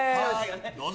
どうぞ。